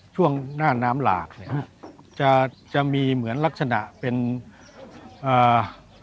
ช่วงหน้าน้ำหลากเนี้ยฮะจะจะมีเหมือนลักษณะเป็นอ่า